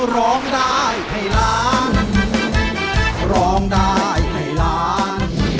ร้องได้ให้ล้าน